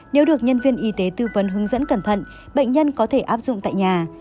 nếu được nhân viên y tế tư vấn hướng dẫn cẩn thận bệnh nhân có thể áp dụng tại nhà